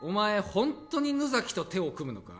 本当に野崎と手を組むのか？